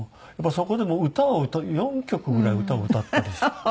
そこでも歌を４曲ぐらい歌を歌ったりして。